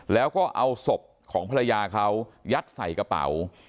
แล้วก็เอาศพของภรรยาเขายัดใส่กระเป๋า